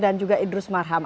dan juga idrus marham